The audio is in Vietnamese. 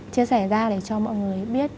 chia sẻ ra để cho mọi người biết